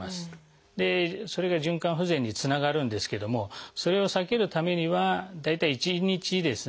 でそれが循環不全につながるんですけどもそれを避けるためには大体１日ですね